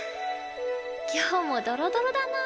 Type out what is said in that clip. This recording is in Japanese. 今日もドロドロだな。